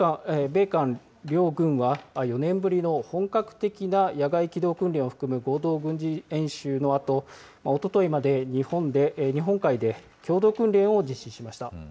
米韓両軍は、４年ぶりの本格的な野外機動訓練を含め、合同軍事演習のあと、おとといまで日本海で共同訓練を実施しました。